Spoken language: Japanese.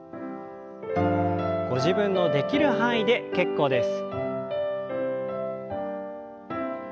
ご自分のできる範囲で結構です。